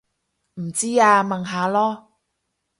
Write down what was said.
唔知啊問下囉